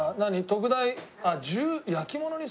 特大。